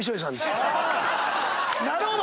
なるほど！